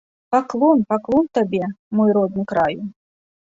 Паклон, паклон табе, мой родны краю!